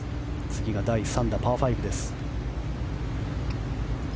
次が第３打、パー５です。